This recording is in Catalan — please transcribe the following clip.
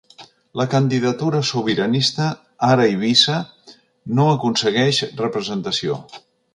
La candidatura sobiranista, Ara Eivissa no aconsegueix representació.